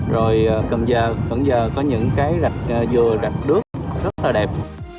rồi cần gia quận gia có những cái rạch dừa rạch đước rất là đẹp